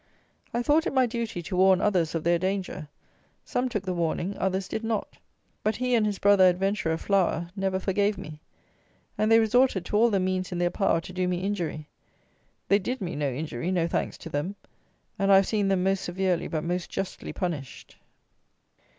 I thought it my duty to warn others of their danger: some took the warning; others did not; but he and his brother adventurer, Flower, never forgave me, and they resorted to all the means in their power to do me injury. They did me no injury, no thanks to them; and I have seen them most severely, but most justly, punished.